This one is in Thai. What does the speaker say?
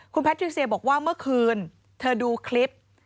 คุณแพทริเซียบอกว่าเมื่อคืนเธอดูคลิป